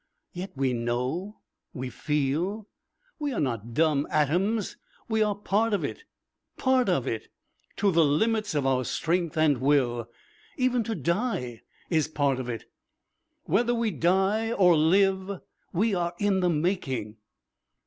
Yet we know we feel. We are not dumb atoms, we are part of it part of it to the limits of our strength and will. Even to die is part of it. Whether we die or live, we are in the making....